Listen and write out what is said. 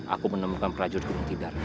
aku menemukan prajurit yang mengtidak